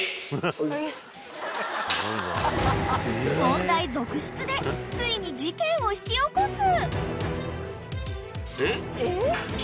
［問題続出でついに事件を引き起こす］